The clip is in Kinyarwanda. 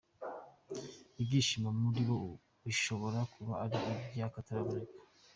Ibyishimo murimo ubu bishobora kuba ari iby’akataraboneka.